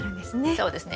そうですね。